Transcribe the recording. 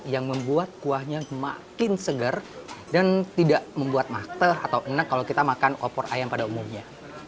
yang membuat kuahnya makin segar dan tidak membuat mateh atau enak kalau kita makan opor ayam pada umumnya